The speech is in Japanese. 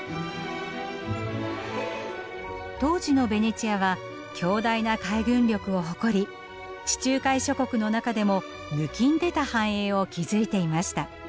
当時のベネチアは強大な海軍力を誇り地中海諸国の中でもぬきんでた繁栄を築いていました。